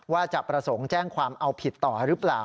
ว่าจะประสงค์แจ้งความเอาผิดต่อหรือเปล่า